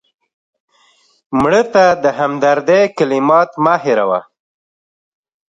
مړه ته د همدردۍ کلمات مه هېروه